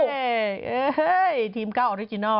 เอ้ยเฮ้ยทีมก้าวออริจินัล